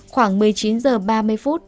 khoảng một mươi chín h ba mươi phút